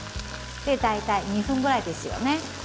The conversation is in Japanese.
大体２分ぐらいですよね。